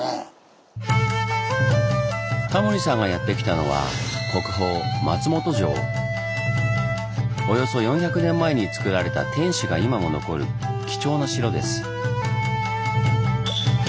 タモリさんがやって来たのはおよそ４００年前につくられた天守が今も残る貴重な城です。